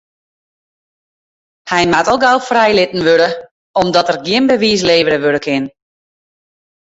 Hy moat al gau frijlitten wurde om't der gjin bewiis levere wurde kin.